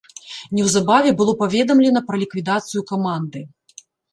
Неўзабаве было паведамлена пра ліквідацыю каманды.